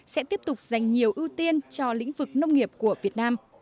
sẽ tiếp tục dành nhiều ưu tiên cho lĩnh vực nông nghiệp của việt nam